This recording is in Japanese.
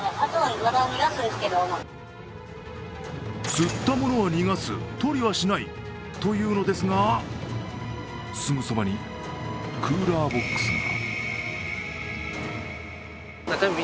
釣ったものは逃がす、とりはしないというのですが、すぐそばにクーラーボックスが。